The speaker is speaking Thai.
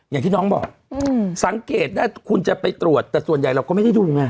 อย่างที่น้องบอกสังเกตได้คุณจะไปตรวจแต่ส่วนใหญ่เราก็ไม่ได้ดูไง